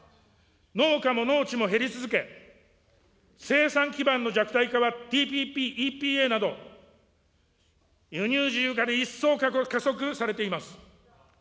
農家も農地も減り続け、生産基盤の弱体はＴＰＰ、ＥＰＡなど、輸入自由化で一層加速されています。